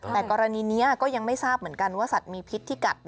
แต่กรณีนี้ก็ยังไม่ทราบเหมือนกันว่าสัตว์มีพิษที่กัด